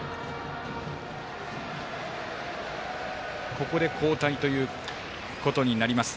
ここで交代ということになります。